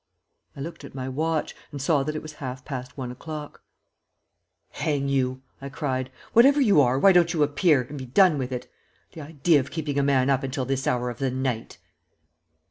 I looked at my watch, and saw that it was half past one o'clock. "Hang you!" I cried, "whatever you are, why don't you appear, and be done with it? The idea of keeping a man up until this hour of the night!"